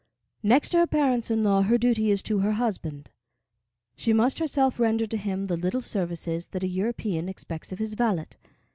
Next to her parents in law, her duty is to her husband. She must herself render to him the little services that a European expects of his valet.